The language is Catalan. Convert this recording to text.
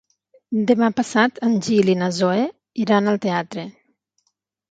Demà passat en Gil i na Zoè iran al teatre.